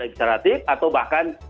ekstratif atau bahkan